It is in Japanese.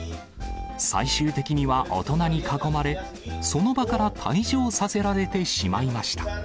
最終的には大人に囲まれ、その場から退場させられてしまいました。